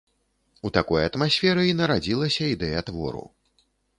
У такой атмасферы і нарадзілася ідэя твору.